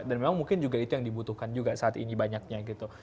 dan memang mungkin juga itu yang dibutuhkan juga saat ini banyaknya gitu